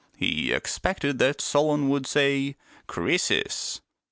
" He expected that Solon would say, " Croesus.'